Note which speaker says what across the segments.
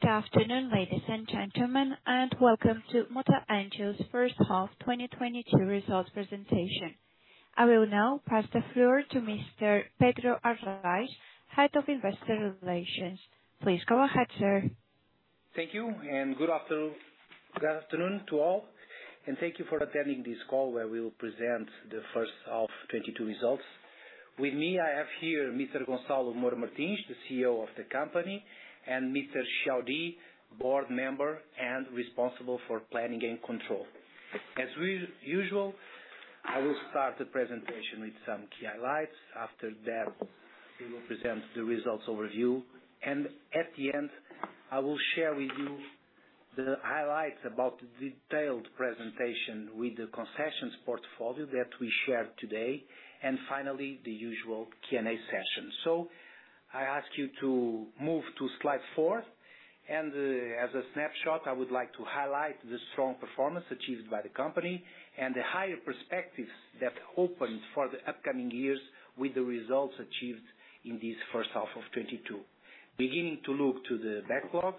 Speaker 1: Good afternoon, ladies and gentlemen, and welcome to Mota-Engil's first half 2022 results presentation. I will now pass the floor to Mr. Pedro Arrais, Head of Investor Relations. Please go ahead, sir.
Speaker 2: Thank you and good afternoon to all, and thank you for attending this call where we'll present the first half 2022 results. With me, I have here Mr. Gonçalo Moura Martins, the CEO of the company, and Mr. Xiao Di, board member and responsible for planning and control. As usual, I will start the presentation with some key highlights. After that, we will present the results overview, and at the end, I will share with you the highlights about the detailed presentation with the concessions portfolio that we share today, and finally, the usual Q&A session. I ask you to move to slide 4, and as a snapshot, I would like to highlight the strong performance achieved by the company and the higher perspectives that opened for the upcoming years with the results achieved in this first half of 2022. Beginning to look at the backlog,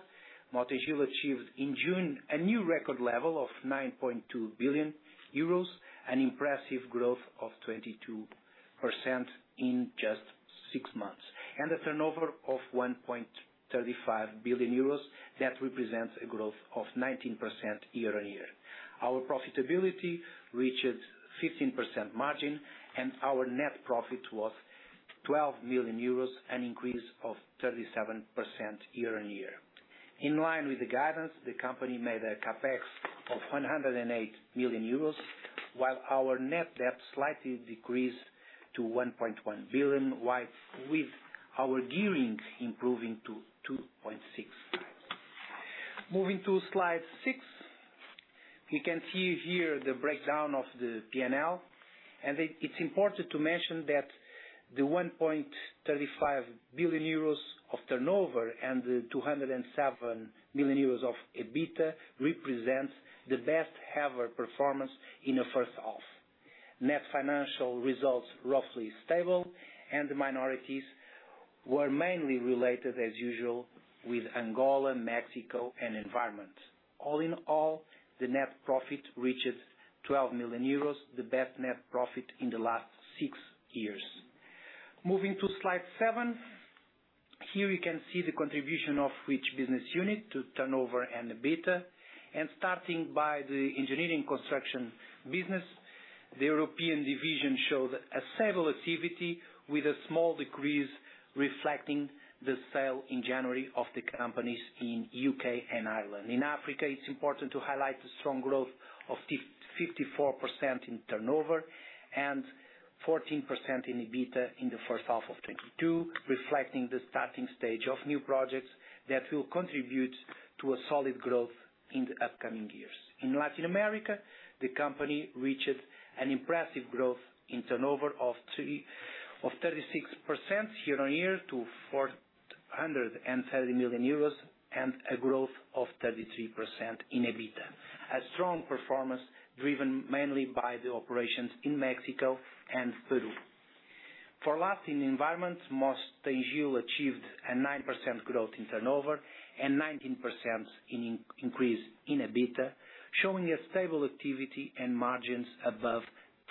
Speaker 2: Mota-Engil achieved, in June, a new record level of 9.2 billion euros, an impressive growth of 22% in just 6 months, and a turnover of 1.35 billion euros that represents a growth of 19% year-on-year. Our profitability reached 15% margin, and our net profit was 12 million euros, an increase of 37% year-on-year. In line with the guidance, the company made a CapEx of 108 million euros, while our net debt slightly decreased to 1.1 billion, with our gearing improving to 2.6. Moving to slide 6, you can see here the breakdown of the P&L. It's important to mention that the 1.35 billion euros of turnover and the 207 million euros of EBITDA represents the best ever performance in the first half. Net financial results roughly stable, and the minorities were mainly related, as usual, with Angola, Mexico, and Environment. All in all, the net profit reaches 12 million euros, the best net profit in the last six years. Moving to slide 7, here you can see the contribution of each business unit to turnover and EBITDA. Starting by the engineering construction business, the European division showed a stable activity with a small decrease, reflecting the sale in January of the companies in U.K. and Ireland. In Africa, it's important to highlight the strong growth of 54% in turnover and 14% in EBITDA in the first half of 2022, reflecting the starting stage of new projects that will contribute to a solid growth in the upcoming years. In Latin America, the company reached an impressive growth in turnover of 36% year-on-year to 430 million euros and a growth of 33% in EBITDA. A strong performance driven mainly by the operations in Mexico and Peru. Finally, in Environment, Mota-Engil achieved a 9% growth in turnover and 19% increase in EBITDA, showing a stable activity and margins above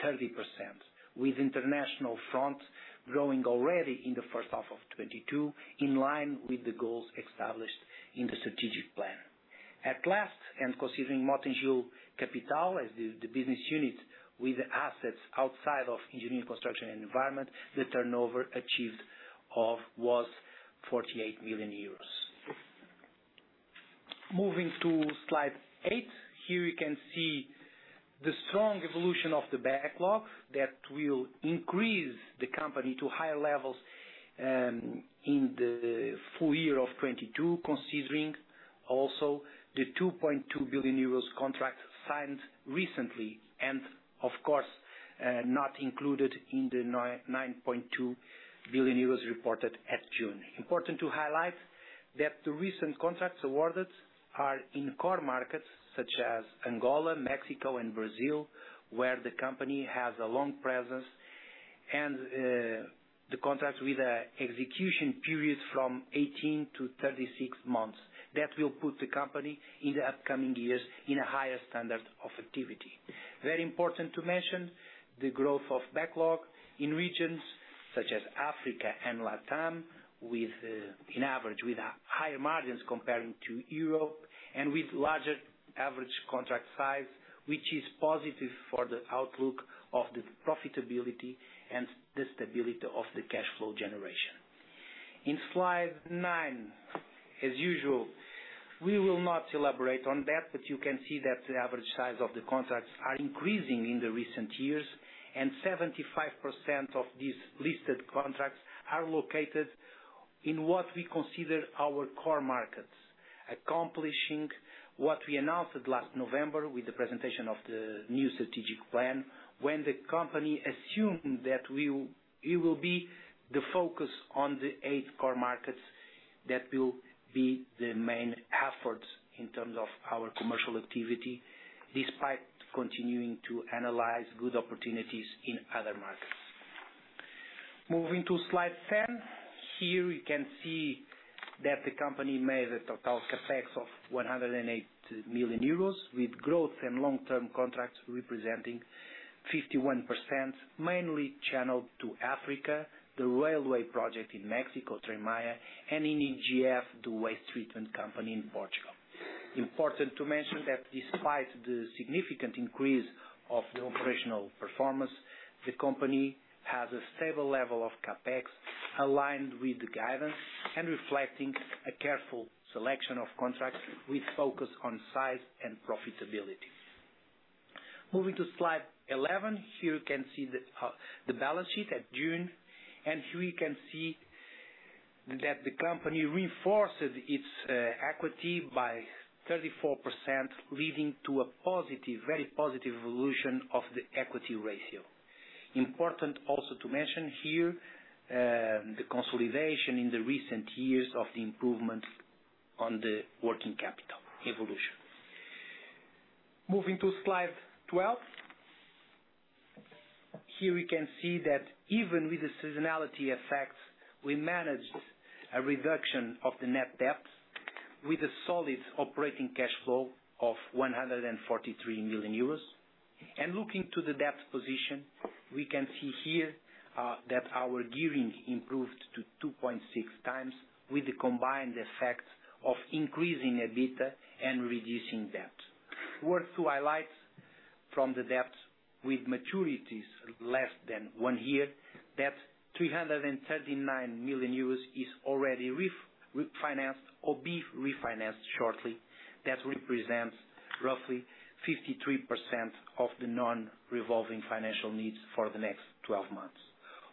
Speaker 2: 30%, with international front growing already in the first half of 2022, in line with the goals established in the strategic plan. At last, considering Mota-Engil Capital as the business unit with assets outside of engineering, construction, and environment, the turnover achieved was 48 million euros. Moving to slide eight, here you can see the strong evolution of the backlog that will increase the company to higher levels in the full year of 2022, considering also the 2.2 billion euros contract signed recently, and of course not included in the 9.2 billion euros reported at June. Important to highlight that the recent contracts awarded are in core markets such as Angola, Mexico, and Brazil, where the company has a long presence and the contract with an execution period from 18-36 months. That will put the company in the upcoming years in a higher standard of activity. Very important to mention the growth of backlog in regions such as Africa and Latam with, on average, with higher margins compared to Europe and with larger average contract size, which is positive for the outlook of the profitability and the stability of the cash flow generation. In slide nine, as usual, we will not elaborate on that, but you can see that the average size of the contracts are increasing in the recent years, and 75% of these listed contracts are located in what we consider our core markets, accomplishing what we announced last November with the presentation of the new strategic plan, when the company assumed that we will be the focus on the eight core markets that will be the main efforts in terms of our commercial activity, despite continuing to analyze good opportunities in other markets. Moving to slide ten. Here we can see that the company made a total CapEx of 108 million euros with growth and long-term contracts representing 51%, mainly channeled to Africa, the railway project in Mexico, Tren Maya, and in EGF, the waste treatment company in Portugal. Important to mention that despite the significant increase of the operational performance, the company has a stable level of CapEx aligned with the guidance and reflecting a careful selection of contracts with focus on size and profitability. Moving to slide 11, here you can see the balance sheet at June, and here we can see that the company reinforces its equity by 34%, leading to a positive, very positive evolution of the equity ratio. Important also to mention here the consolidation in the recent years of the improvement on the working capital evolution. Moving to slide 12. Here we can see that even with the seasonality effects, we managed a reduction of the net debt with a solid operating cash flow of 143 million euros. Looking to the debt position, we can see here, that our gearing improved to 2.6 times with the combined effect of increasing EBITDA and reducing debt. Worth to highlight from the debt with maturities less than one year, that 339 million euros is already refinanced or be refinanced shortly. That represents roughly 53% of the non-revolving financial needs for the next twelve months.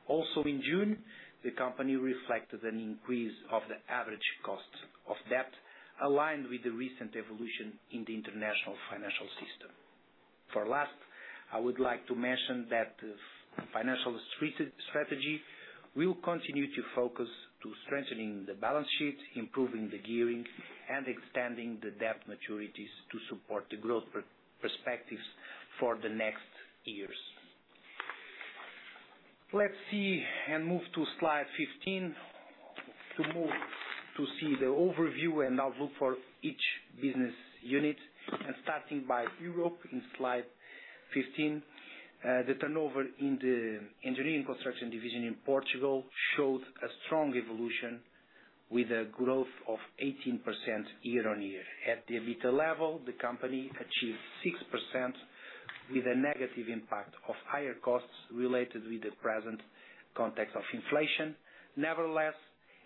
Speaker 2: Also, in June, the company reflected an increase of the average cost of debt, aligned with the recent evolution in the international financial system. Finally, I would like to mention that the financial strategy will continue to focus on strengthening the balance sheet, improving the gearing, and extending the debt maturities to support the growth perspectives for the next years. Let's move to slide 15 to see the overview and outlook for each business unit, starting by Europe in slide 15. The turnover in the engineering construction division in Portugal showed a strong evolution with a growth of 18% year-on-year. At the EBITDA level, the company achieved 6% with a negative impact of higher costs related to the present context of inflation. Nevertheless,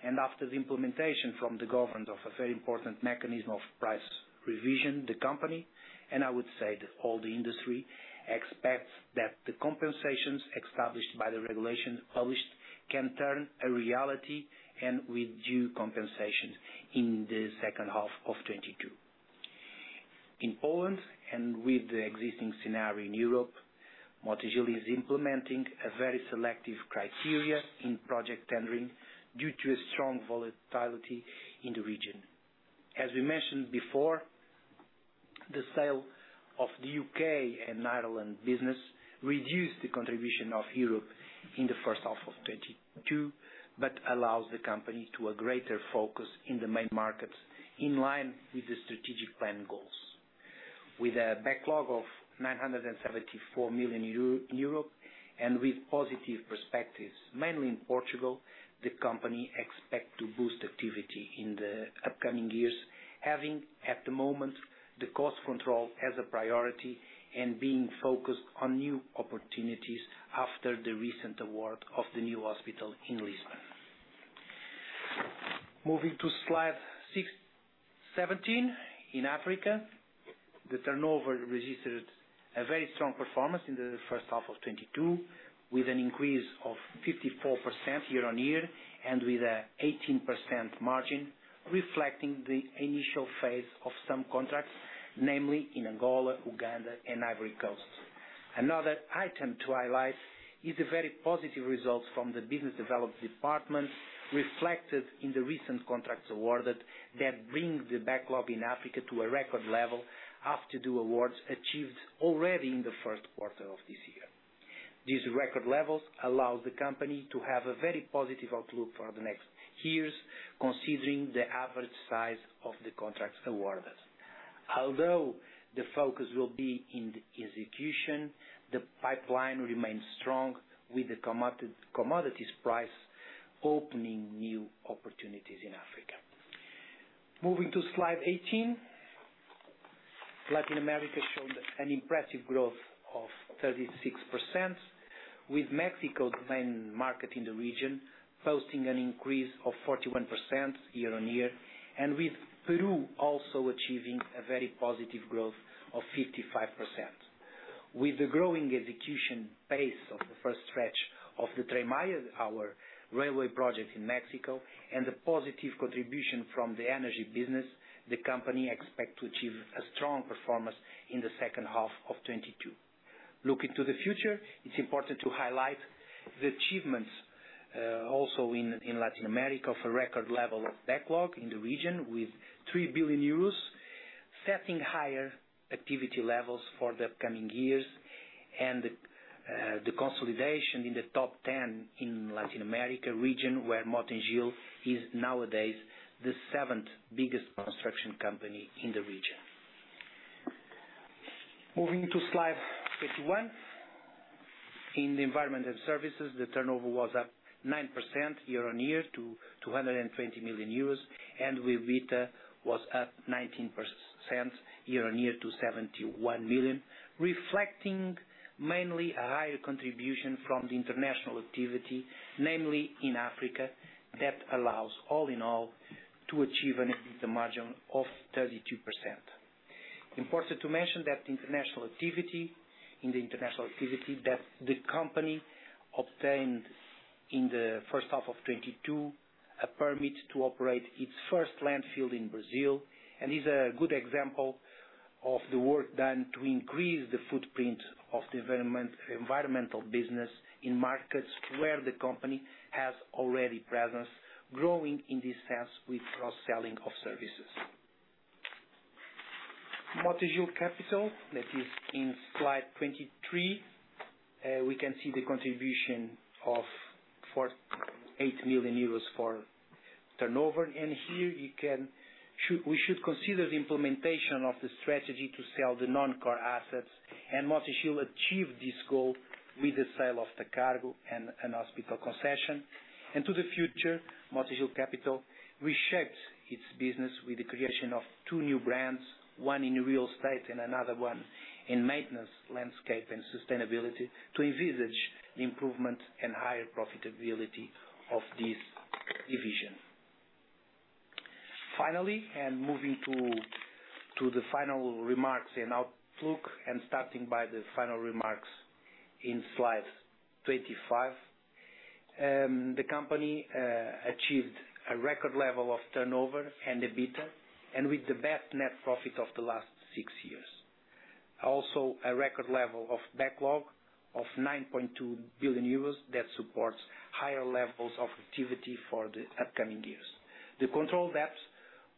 Speaker 2: after the implementation from the government of a very important mechanism of price revision, the company, and I would say all the industry, expects that the compensations established by the regulation published can turn into a reality, and with due compensation in the second half of 2022. In Poland, with the existing scenario in Europe, Mota-Engil is implementing a very selective criterion in project tendering due to a strong volatility in the region. As we mentioned before, the sale of the UK and Ireland business reduced the contribution of Europe in the first half of 2022, but allows the company to have a greater focus in the main markets in line with the strategic plan goals. With a backlog of 974 million euro, and with positive perspectives, mainly in Portugal, the company expects to boost activity in the upcoming years, having, at the moment, the cost control as a priority and being focused on new opportunities after the recent award of the new hospital in Lisbon. Moving to slide 17. In Africa, the turnover registered a very strong performance in the first half of 2022, with an increase of 54% year-on-year, and with an 18% margin reflecting the initial phase of some contracts, namely in Angola, Uganda, and Ivory Coast. Another item to highlight is the very positive results from the business development department reflected in the recent contracts awarded that bring the backlog in Africa to a record level, after the awards achieved already in the first quarter of this year. These record levels allow the company to have a very positive outlook for the next years, considering the average size of the contracts awarded us. Although the focus will be in the execution, the pipeline remains strong with the commodities price opening new opportunities in Africa. Moving to slide 18. Latin America showed an impressive growth of 36%, with Mexico's main market in the region posting an increase of 41% year-on-year, and with Peru also achieving a very positive growth of 55%. With the growing execution pace of the first stretch of the Tren Maya, our railway project in Mexico, and the positive contribution from the energy business, the company expect to achieve a strong performance in the second half of 2022. Looking to the future, it's important to highlight the achievements, also in Latin America for record level of backlog in the region with 3 billion euros, setting higher activity levels for the upcoming years and the consolidation in the top 10 in Latin America region, where Mota-Engil is nowadays the seventh biggest construction company in the region. Moving to slide 51. In the environment and services, the turnover was up 9% year-on-year to 220 million euros, and EBITDA was up 19% year-on-year to 71 million. Reflecting mainly a higher contribution from the international activity, namely in Africa, that allows all in all to achieve an EBITDA margin of 32%. Important to mention that in the international activity that the company obtained in the first half of 2022, a permit to operate its first landfill in Brazil, and is a good example of the work done to increase the footprint of the environment, environmental business in markets where the company has already presence, growing in this sense with cross-selling of services. Mota-Engil Capital, that is in slide 23. We can see the contribution of 48 million euros for turnover. We should consider the implementation of the strategy to sell the non-core assets, and Mota-Engil achieved this goal with the sale of the cargo and hospital concession. To the future, Mota-Engil Capital reshapes its business with the creation of two new brands, one in real estate and another one in maintenance, landscape and sustainability, to envisage the improvement and higher profitability of this division. Finally, moving to the final remarks and outlook, and starting by the final remarks in slide 25. The company achieved a record level of turnover and EBITDA, and with the best net profit of the last six years. Also a record level of backlog of 9.2 billion euros that supports higher levels of activity for the upcoming years. The debt control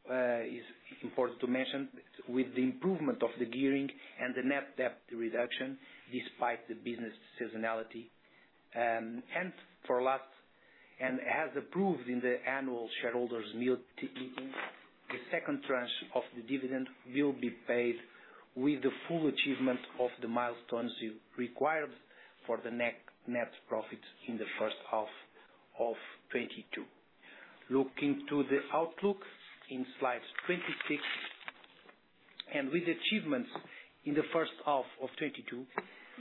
Speaker 2: is important to mention with the improvement of the gearing and the net debt reduction despite the business seasonality. For last, as approved in the annual shareholders' meeting, the second tranche of the dividend will be paid with the full achievement of the milestones required for the net profit in the first half of 2022. Looking to the outlook in slide 26, with achievements in the first half of 2022,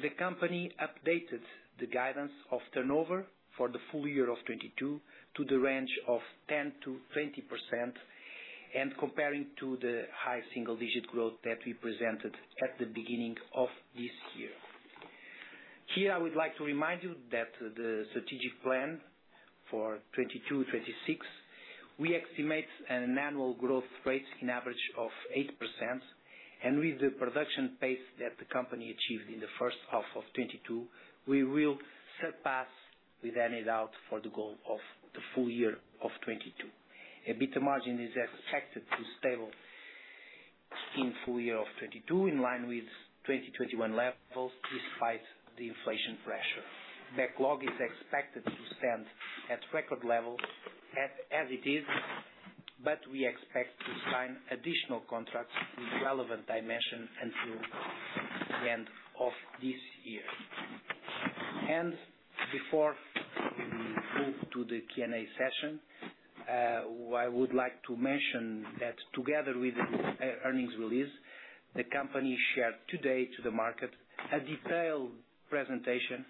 Speaker 2: the company updated the guidance of turnover for the full year of 2022 to the range of 10%-20%, comparing to the high single-digit growth that we presented at the beginning of this year. Here I would like to remind you that the strategic plan for 2022/2026, we estimate an annual growth rate in average of 8%. With the production pace that the company achieved in the first half of 2022, we will surpass, without any doubt, for the goal of the full year of 2022. EBITDA margin is expected to be stable in full year of 2022 in line with 2021 levels despite the inflation pressure. Backlog is expected to stand at record levels as it is, but we expect to sign additional contracts with relevant dimension until the end of this year. Before we move to the Q&A session, I would like to mention that together with the earnings release, the company shared today to the market a detailed presentation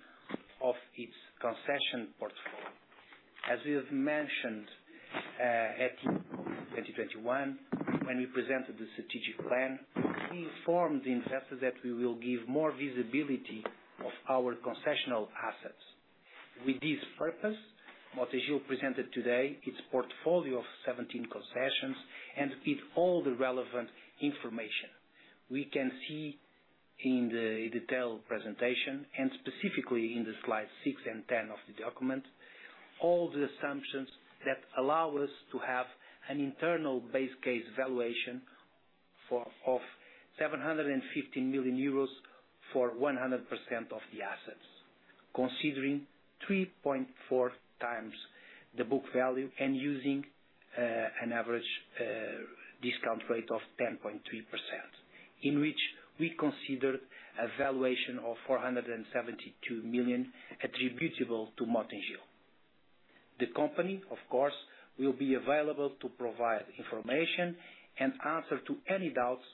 Speaker 2: of its concession portfolio. As we have mentioned at 2021, when we presented the strategic plan, we informed the investors that we will give more visibility of our concession assets. With this purpose, Mota-Engil presented today its portfolio of 17 concessions and with all the relevant information. We can see in the detailed presentation, and specifically in the slide 6 and 10 of the document, all the assumptions that allow us to have an internal base case valuation of 750 million euros for 100% of the assets. Considering 3.4 times the book value and using an average discount rate of 10.3%, in which we consider a valuation of 472 million attributable to Mota-Engil. The company, of course, will be available to provide information and answer to any doubts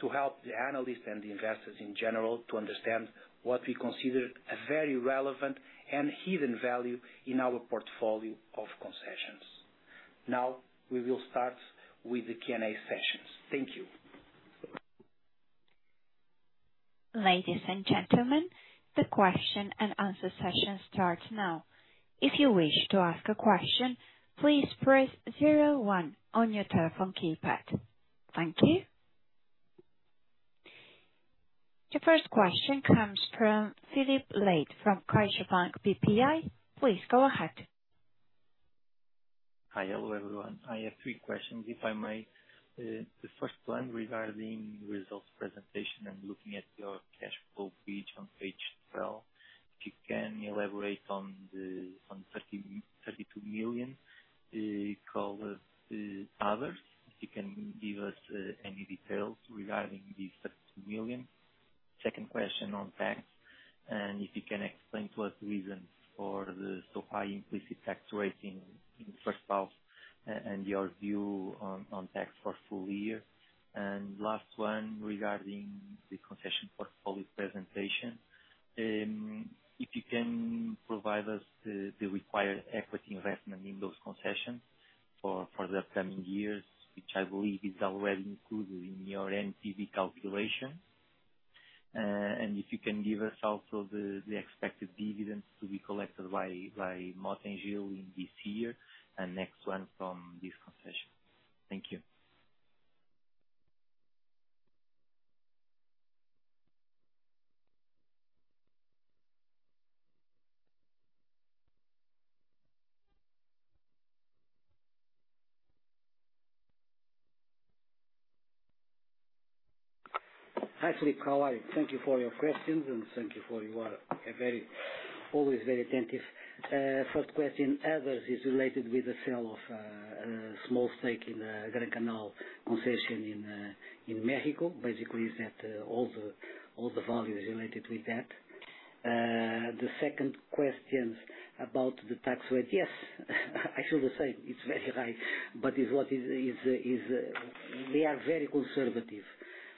Speaker 2: to help the analysts and the investors in general to understand what we consider a very relevant and hidden value in our portfolio of concessions. Now, we will start with the Q&A sessions. Thank you.
Speaker 1: Ladies and gentlemen, the question and answer session starts now. If you wish to ask a question, please press zero one on your telephone keypad. Thank you. The first question comes from Filipe Leite from CaixaBank BPI. Please go ahead.
Speaker 3: Hi. Hello, everyone. I have three questions, if I may. The first one regarding results presentation and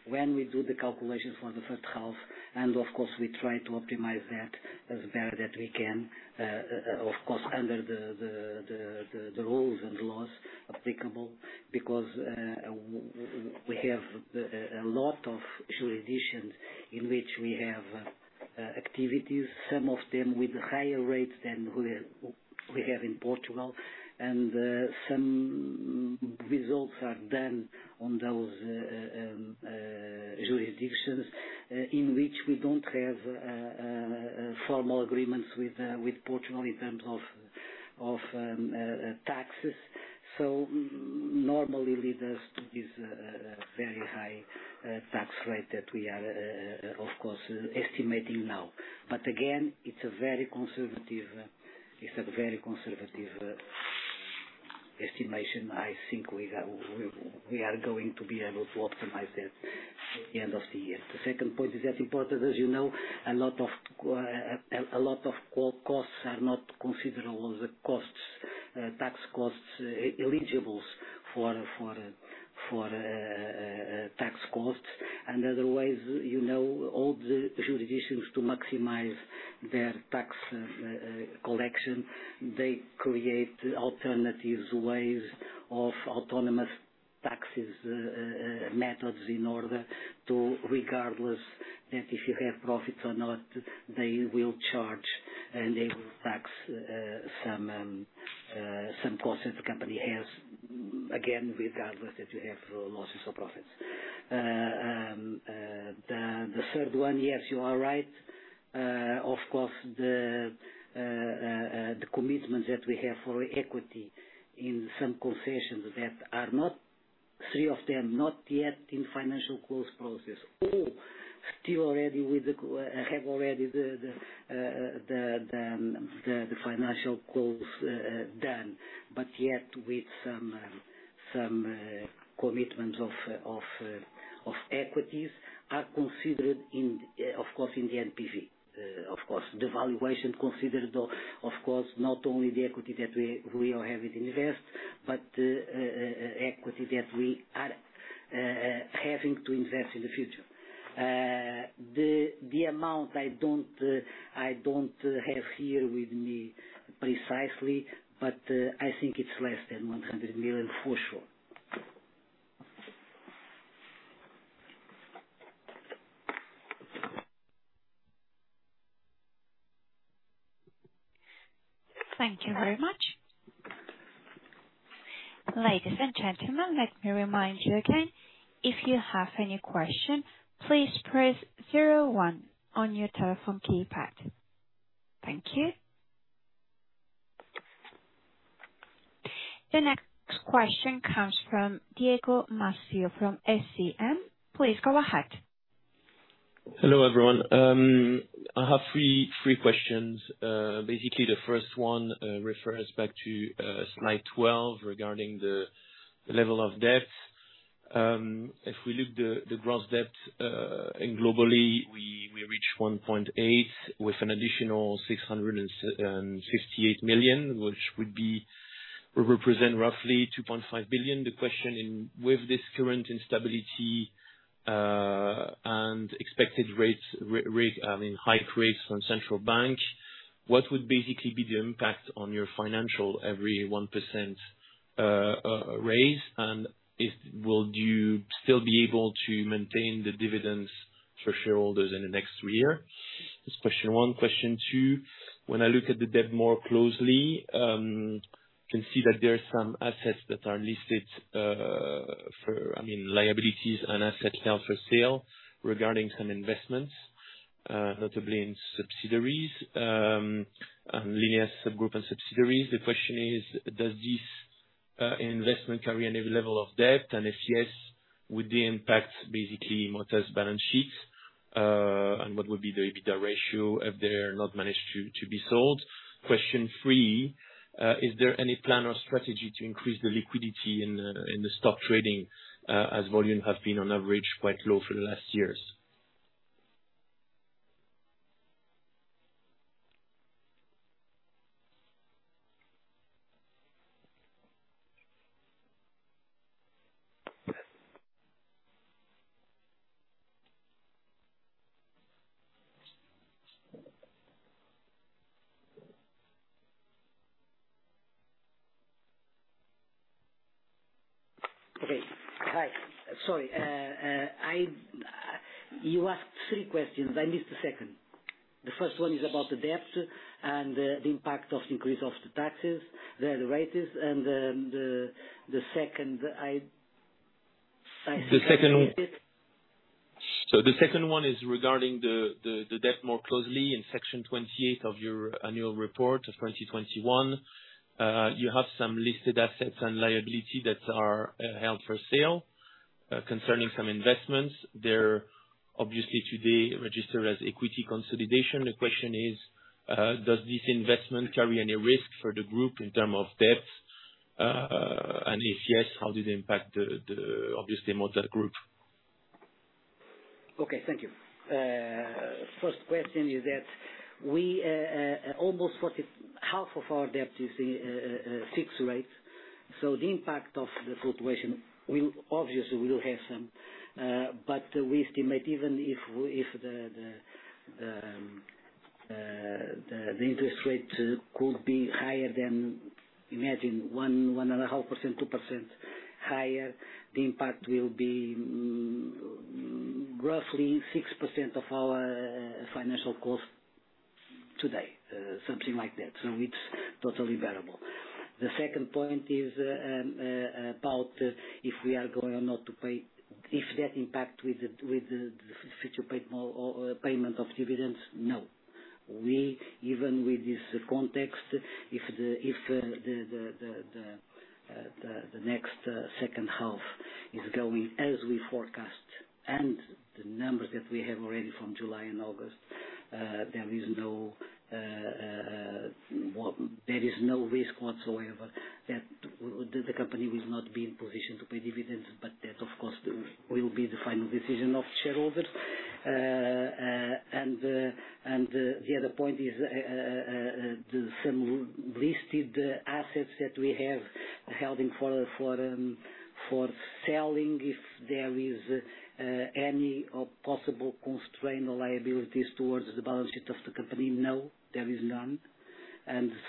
Speaker 4: when we do the calculations for the first half, and of course, we try to optimize that as best as we can. Of course, under the rules and laws applicable because we have a lot of jurisdictions in which we have activities, some of them with higher rates than we have in Portugal. Some results are done on those jurisdictions in which we don't have formal agreements with Portugal in terms of taxes. Normally lead us to this very high tax rate that we are of course estimating now. Again, it's a very conservative estimation. I think we are going to be able to optimize that at the end of the year. The second point is as important, as you know, a lot of costs are not considered. The costs, tax costs eligible for tax credits. Otherwise, all the jurisdictions to maximize their tax collection, they create alternative ways of autonomous taxes, methods in order to regardless that if you have profits or not, they will charge, and they will tax some costs that the company has. Again, regardless if you have losses or profits. The third one, yes, you are right. Of course, the commitments that we have for equity in some concessions, three of them not yet in financial close process or some already have the financial close done, but yet with some commitments of equity are considered in, of course, in the NPV. Of course, the valuation considered of course, not only the equity that we already have invested but equity that we are having to invest in the future. The amount I don't have here with me precisely, but I think it's less than 100 million for sure.
Speaker 1: Thank you very much. Ladies and gentlemen, let me remind you again, if you have any question, please press zero one on your telephone keypad. Thank you. The next question comes from Diogo Márcio from SCM. Please go ahead.
Speaker 5: Hello, everyone. I have three questions. Basically the first one refers back to slide 12 regarding the level of debt. If we look at the gross debt and globally, we reach 1.8 with an additional 668 million, which will represent roughly 2.5 billion. The question with this current instability and expected rate hikes from central bank, what would basically be the impact on your financials for every 1% raise? Will you still be able to maintain the dividends for shareholders in the next three years? That is question one. Question two, when I look at the debt more closely, I can see that there are some assets that are listed for... Liabilities and assets held for sale regarding some investments, notably in subsidiaries, and Lineas subgroup and subsidiaries. The question is, does this investment carry any level of debt? If yes, would they impact basically Mota-Engil's balance sheets? And what would be the EBITDA ratio if they are not managed to be sold? Question three, is there any plan or strategy to increase the liquidity in the stock trading, as volume have been on average quite low for the last years?
Speaker 4: Okay. Hi. Sorry. You asked three questions. I missed the second. The first one is about the debt and the impact of increase of the taxes. They are the rates. The second I think I missed it.
Speaker 5: The second one. The second one is regarding the debt more closely. In section 28 of your annual report of 2021, you have some listed assets and liability that are held for sale concerning some investments. They're obviously today registered as equity consolidation. The question is, does this investment carry any risk for the group in terms of debt? If yes, how does it impact the obviously Mota-Engil group?
Speaker 4: Okay. Thank you. First question is that half of our debt is fixed rate. The impact of the fluctuation will obviously have some. But we estimate even if the interest rate could be higher than we imagine 1.5%, 2% higher, the impact will be roughly 6% of our financial cost today. Something like that. It's totally bearable. The second point is about if that impacts the future payment or payment of dividends. No. Even with this context, if the second half is going as we forecast and the numbers that we have already from July and August, there is no risk whatsoever that the company will not be in position to pay dividends, but that of course will be the final decision of shareholders. The other point is, the same listed assets that we have held in for selling. If there is any possible constraint or liabilities towards the balance sheet of the company, no, there is none.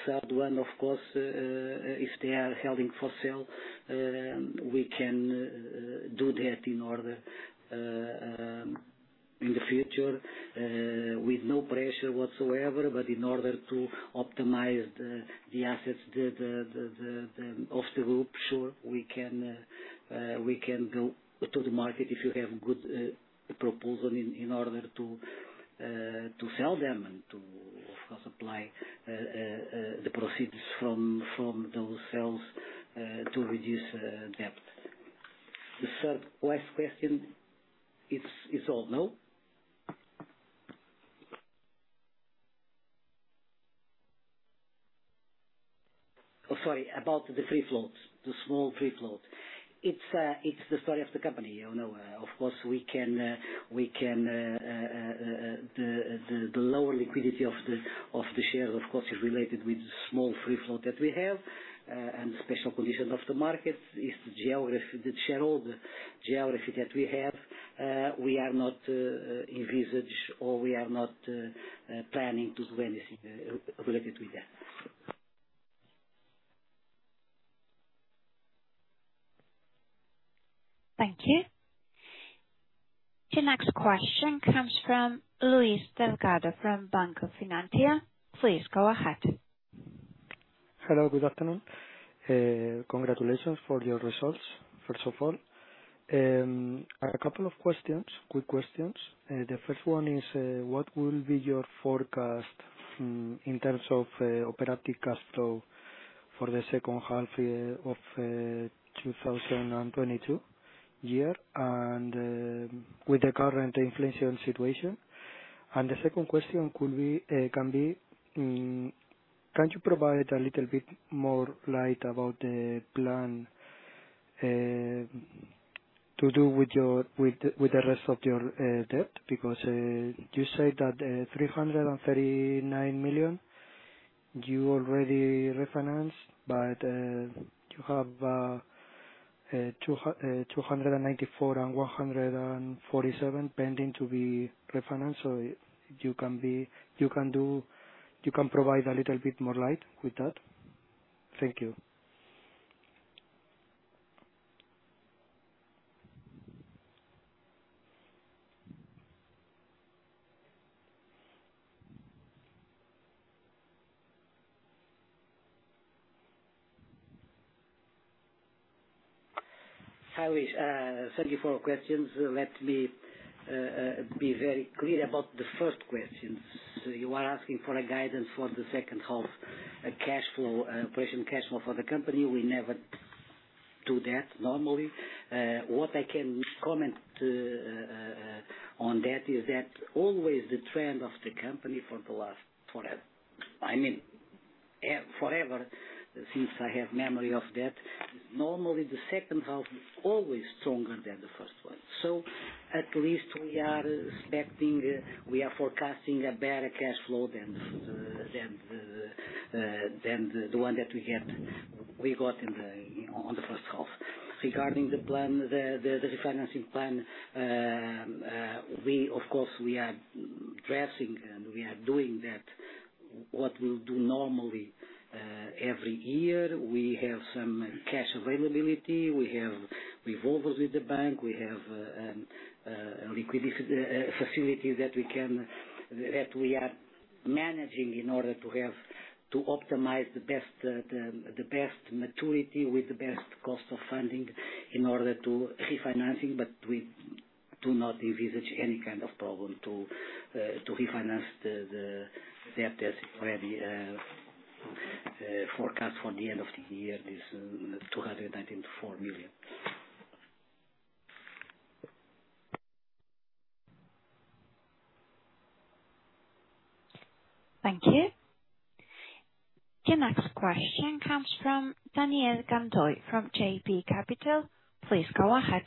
Speaker 4: Third one, of course, if they are held for sale, we can do that in order, in the future, with no pressure whatsoever, but in order to optimize the assets of the group. Sure, we can go to the market if you have good proposal in order to sell them and to of course apply the proceeds from those sales to reduce debt. The third last question is all, no? Sorry, about the free float, the small free float. It's the story of the company. Of course, we can. The lower liquidity of the shares of course is related with small free float that we have, and the special condition of the market is all the geography that we have. We are not envisaging or planning to do anything related with that.
Speaker 1: Thank you. Your next question comes from Luís Delgado, from Banco Finantia. Please go ahead.
Speaker 6: Hello, good afternoon. Congratulations for your results, first of all. A couple of quick questions. The first one is, what will be your forecast in terms of operating cash flow for the second half of 2022 and with the current inflation situation? The second question could be, can you provide a little bit more light about the plan to do with the rest of your debt? Because you said that 339 million you already refinanced, but you have 294 and 147 pending to be refinanced. You can provide a little bit more light with that. Thank you.
Speaker 4: Hi, thank you for questions. Let me be very clear about the first questions. You are asking for a guidance for the second half, a cash flow, operating cash flow for the company. We never do that normally. What I can comment on that is that always the trend of the company for the last forever. Forever, since I have memory of that, normally the second half is always stronger than the first one. At least we are expecting, we are forecasting a better cash flow than the one that we got on the first half. Regarding the refinancing plan, we of course are addressing and we are doing that what we'll do normally, every year. We have some cash availability, we have revolvers with the bank, we have liquidity facilities that we are managing in order to optimize the best maturity with the best cost of funding in order to refinancing. We do not envisage any kind of problem to refinance that is already forecast for the end of the year is 294 million.
Speaker 1: Thank you. The next question comes from Daniel Gandoy from JB Capital. Please go ahead.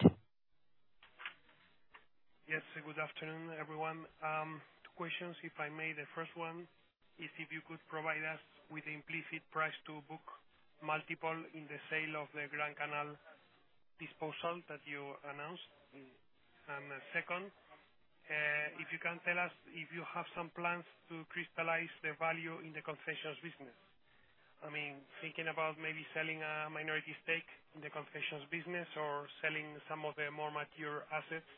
Speaker 7: Yes. Good afternoon, everyone. Two questions if I may. The first one is if you could provide us with implicit price to book multiple in the sale of the Gran Canal disposal that you announced. Second, if you can tell us if you have some plans to crystallize the value in the concessions business. I mean, thinking about maybe selling a minority stake in the concessions business or selling some of the more mature assets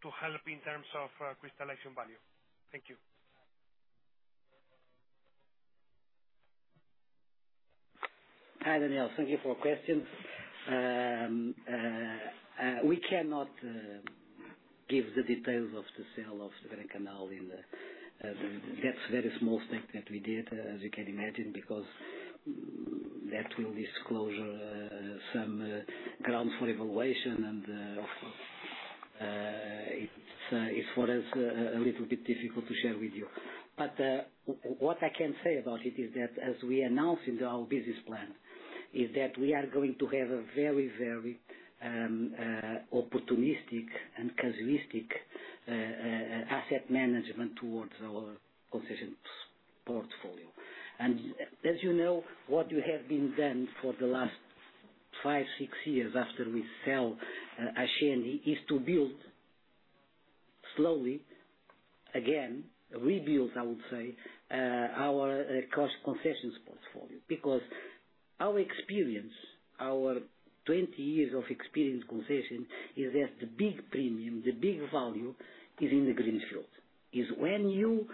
Speaker 7: to help in terms of crystallization value. Thank you.
Speaker 4: Hi, Daniel. Thank you for your question. We cannot give the details of the sale of Gran Canal. In that's very small stake that we did, as you can imagine, because that will disclose some grounds for evaluation. It's for us a little bit difficult to share with you. What I can say about it is that as we announce in our business plan is that we are going to have a very opportunistic and casuistic asset management towards our concessions portfolio. As you know, what we have been doing for the last five, six years after we sold Ascendi is to build slowly again, rebuild, I would say, our core concessions portfolio. Because our experience, our 20 years of experience concession is that the big premium, the big value is in the greenfield. Is when you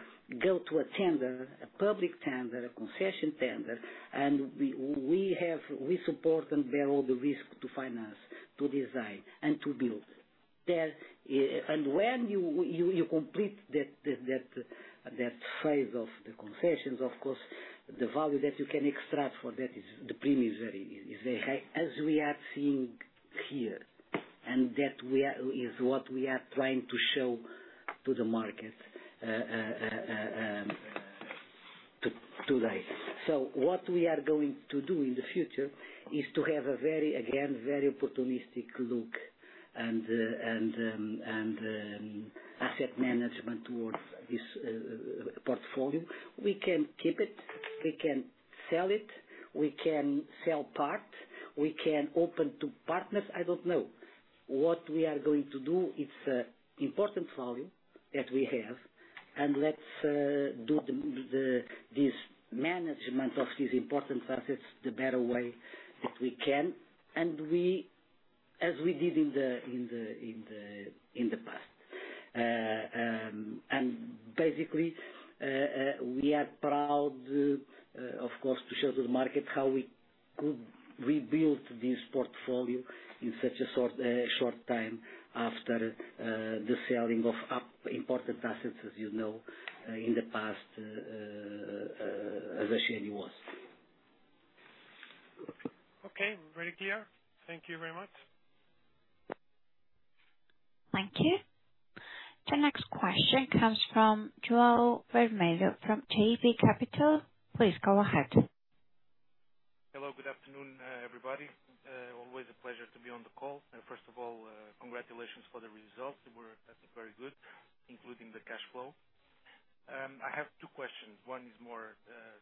Speaker 4: go to a tender, a public tender, a concession tender, and we have, we support and bear all the risk to finance, to design and to build. When you complete that phase of the concessions of course, the value that you can extract for that is the premium is very high, as we are seeing here. That is what we are trying to show to the market today. What we are going to do in the future is to have a very opportunistic look and asset management towards this portfolio. We can keep it, we can sell it, we can sell part, we can open to partners. I don't know. What we are going to do, it's an important value that we have. Let's do this management of these important assets the better way that we can. We, as we did in the past. Basically, we are proud, of course, to show to the market how we could rebuild this portfolio in such a short time after the selling of our important assets in the past, as Ascendi was.
Speaker 7: Okay. Very clear. Thank you very much.
Speaker 1: Thank you. The next question comes from João Vermelho from JB Capital. Please go ahead.
Speaker 8: Hello. Good afternoon, everybody. Always a pleasure to be on the call. First of all, congratulations for the results. They were very good, including the cash flow. I have two questions. One is more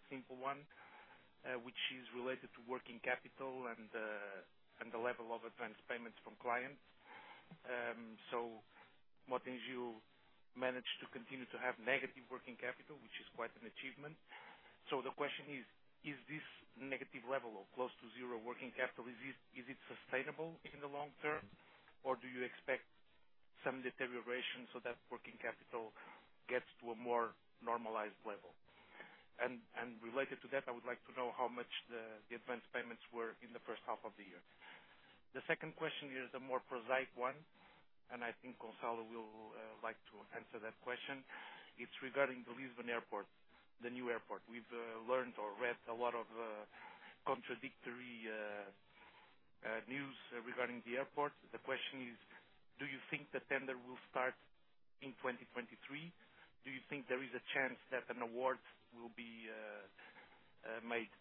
Speaker 8: simple one, which is related to working capital and the level of advanced payments from clients. Mota-Engil managed to continue to have negative working capital, which is quite an achievement. The question is this negative level or close to zero working capital sustainable in the long term, or do you expect some deterioration so that working capital gets to a more normalized level? And related to that, I would like to know how much the advanced payments were in the first half of the year. The second question is a more precise one, and I think Gonçalo will like to answer that question. It's regarding the Lisbon Airport, the new airport. We've learned or read a lot of contradictory news regarding the airport. The question is, do you think the tender will start in 2023? Do you think there is a chance that an award will be made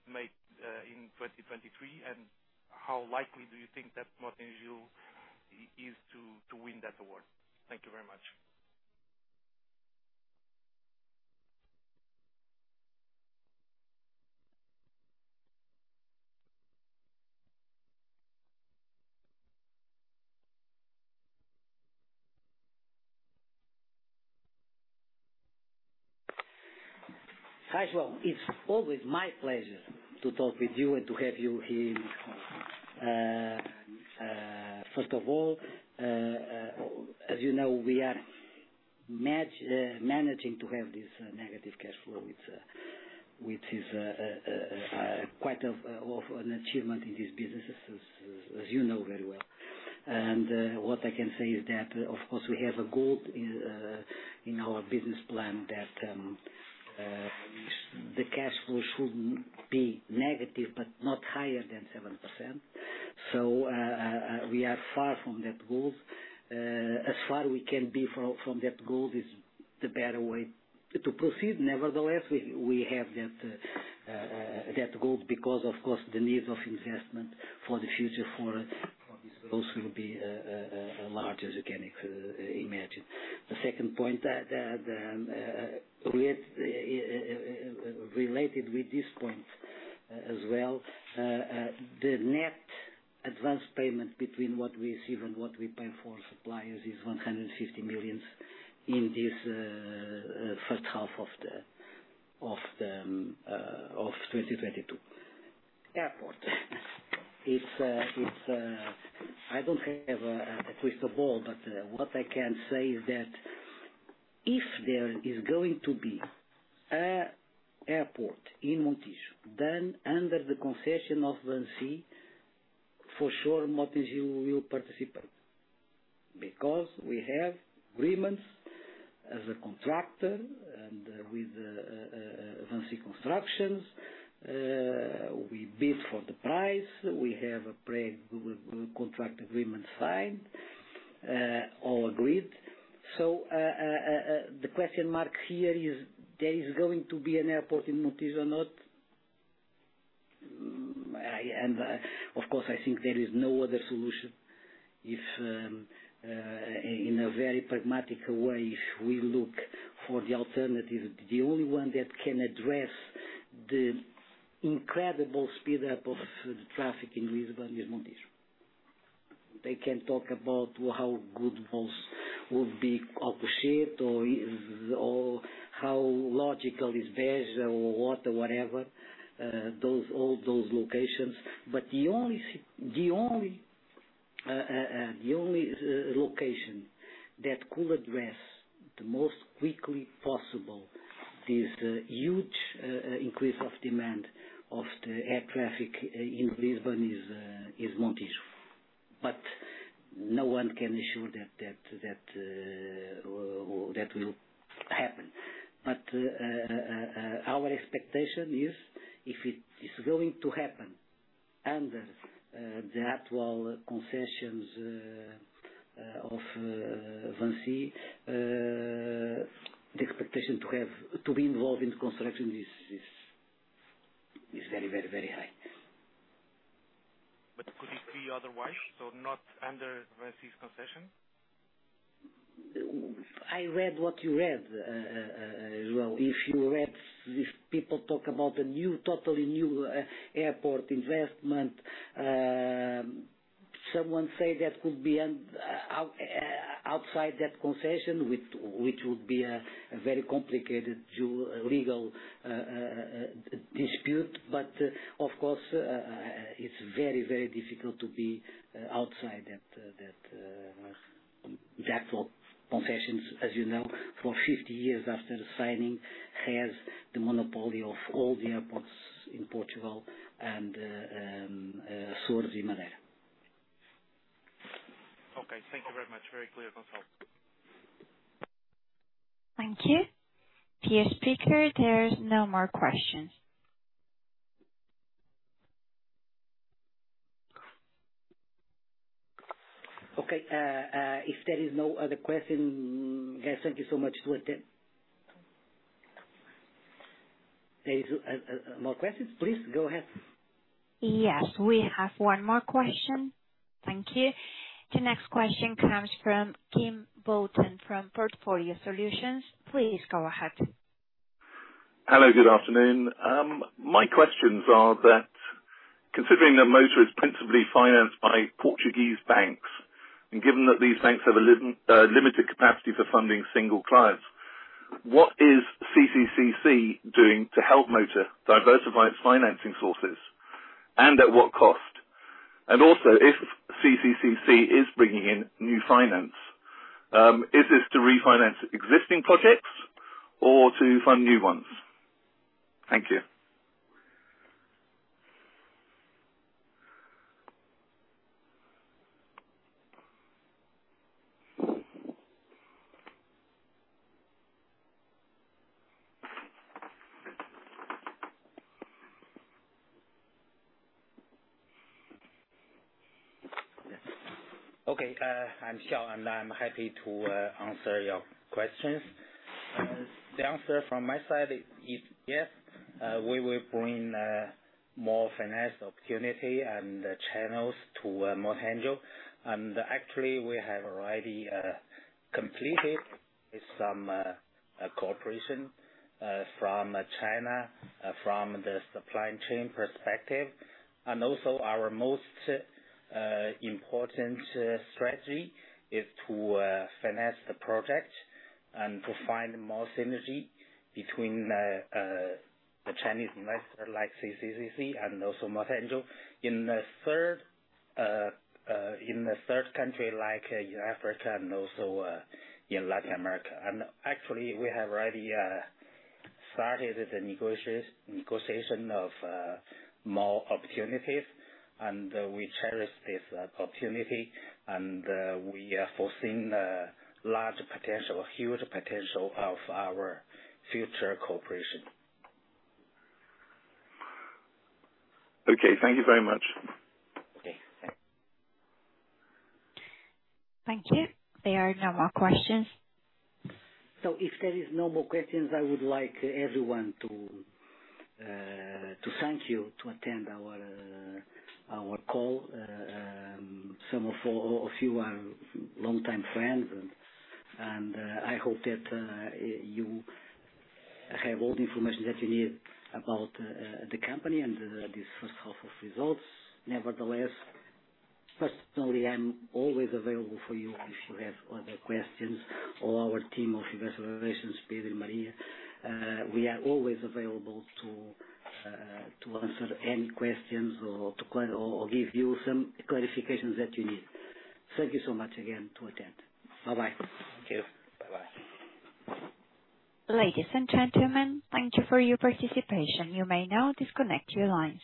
Speaker 8: in 2023? And how likely do you think that Mota-Engil is to win that award? Thank you very much.
Speaker 4: Hi, João. It's always my pleasure to talk with you and to have you here. First of all we are managing to have this negative cash flow, which is quite an achievement in this business as you know very well. What I can say is that, of course, we have a goal in our business plan that the cash flow shouldn't be negative, but not higher than 7%. We are far from that goal. As far as we can be from that goal is the better way to proceed. Nevertheless, we have that goal because, of course, the needs of investment for the future for us also will be large, as you can imagine. The second point, related with this point as well, the net advance payments between what we receive and what we pay for suppliers is 150 million in this first half of 2022. Airport. It's I don't have a crystal ball, but what I can say is that if there is going to be an airport in Montijo, then under the concession of VINCI, for sure, Mota-Engil will participate. Because we have agreements as a contractor and with VINCI constructions. We bid for the price. We have a pre contract agreement signed. All agreed. The question mark here is there is going to be an airport in Montijo or not. Of course, I think there is no other solution. If, in a very pragmatic way, if we look for the alternative, the only one that can address the incredible speed up of the traffic in Lisbon is Montijo. They can talk about how good those would be Alcochete or is, or how logical is Beja or what or whatever, all those locations. The only location that could address the most quickly possible this huge increase of demand of the air traffic in Lisbon is Montijo. No one can ensure that will happen. Our expectation is if it is going to happen under the actual concessions of VINCI, the expectation to have to be involved in the construction is very high.
Speaker 8: Could it be otherwise, so not under VINCI's concession?
Speaker 4: I read what you read, João. If you read, if people talk about the new, totally new airport investment, someone say that could be outside that concession, which would be a very complicated legal dispute. Of course, it's very difficult to be outside that concessions for 50 years after signing, has the monopoly of all the airports in Portugal and Azores and Madeira.
Speaker 8: Okay. Thank you very much. Very clear, Gonçalo.
Speaker 1: Thank you. Dear speaker, there's no more questions.
Speaker 4: Okay. If there is no other question, guys, thank you so much for attending. There are more questions, please go ahead.
Speaker 1: Yes, we have one more question. Thank you. The next question comes from Kim Bolton from Portfolio Solutions. Please go ahead.
Speaker 9: Hello, good afternoon. My questions are that- Considering that Mota is principally financed by Portuguese banks, and given that these banks have a limited capacity for funding single clients, what is CCCC doing to help Mota diversify its financing sources, and at what cost? Also, if CCCC is bringing in new finance, is this to refinance existing projects or to fund new ones? Thank you.
Speaker 10: Okay. I'm Xiao, and I'm happy to answer your questions. The answer from my side is yes, we will bring more finance opportunity and channels to Mota-Engil. Actually, we have already completed with some cooperation from China from the supply chain perspective. Also our most important strategy is to finance the project and to find more synergy between the Chinese investor like CCCC and also Mota-Engil. In the third country like in Africa and also in Latin America. Actually, we have already started the negotiation of more opportunities, and we cherish this opportunity. We are foreseeing a large potential, huge potential of our future cooperation.
Speaker 9: Okay. Thank you very much.
Speaker 10: Okay.
Speaker 1: Thank you. There are no more questions.
Speaker 4: If there is no more questions, I would like everyone to thank you to attend our call. Some of all of you are longtime friends. I hope that you have all the information that you need about the company and this first half of results. Nevertheless, personally, I'm always available for you if you have other questions or our team of investor relations, Pedro and Maria. We are always available to answer any questions or to give you some clarifications that you need. Thank you so much again to attend. Bye-bye.
Speaker 9: Thank you. Bye-bye.
Speaker 1: Ladies and gentlemen, thank you for your participation. You may now disconnect your lines.